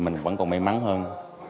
mình vẫn còn may mắn hơn